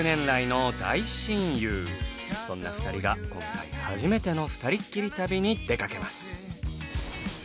そんな２人が今回初めてのふたりっきり旅に出かけます。